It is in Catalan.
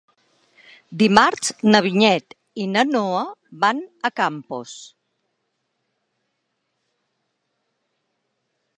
Dimarts na Vinyet i na Noa van a Campos.